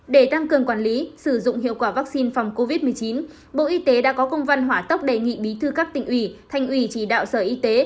để tăng cường quản lý sử dụng hiệu quả vaccine phòng covid một mươi chín bộ y tế đã có công văn hỏa tốc đề nghị bí thư các tỉnh ủy thành ủy chỉ đạo sở y tế